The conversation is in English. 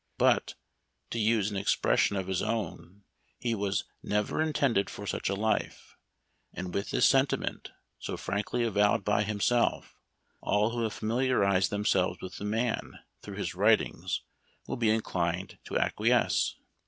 But, to use an ex pression of his own, he "was never intended for " such a life ; and with this sentiment, so frankly avowed by himself, all who have famil iarized themselves with the man through his writings will be inclined to acquiesce.